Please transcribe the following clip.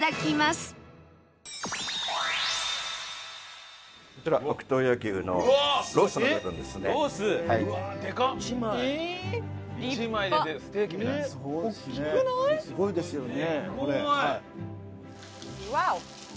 すごいですよねこれ。